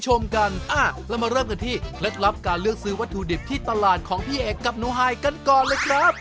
เรามาเริ่มกันที่เคล็ดลับการเลือกซื้อวัตถุดิบที่ตลาดของพี่เอกกับหนูไฮกันก่อนเลยครับ